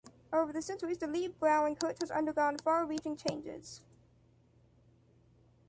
Over the centuries, the Liebfrauenkirche has undergone far-reaching changes.